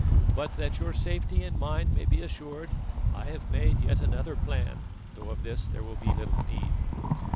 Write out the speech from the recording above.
But that your safety and mine may be assured, I have made yet another plan, though of this there will be little need.